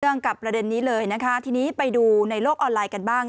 กับประเด็นนี้เลยนะคะทีนี้ไปดูในโลกออนไลน์กันบ้าง